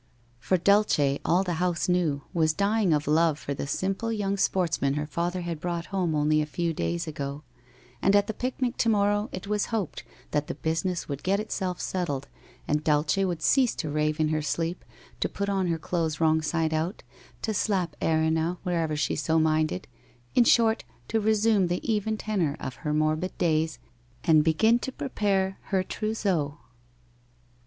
For Dulce, all the house knew, was dying of love for the simple young sportsman her father had brought home only a few days ago, and at the picnic to morrow, it was hoped that the business would get itself settled, and Dulce would cease to rave in her sleep, to put on her clothes wrong side out, to slap Erinna wherever she was so minded, in short to resume the even tenor of her morbid days, and begin to prepare her trousseau.